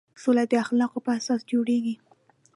سوله د اخلاقو په اساس جوړېږي.